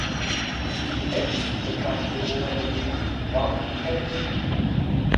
Die ältesten bekannten Bewohner der Gegend waren die Kelten.